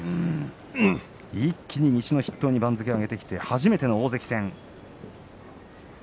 一気に西の筆頭に番付上げてきて初の大関戦。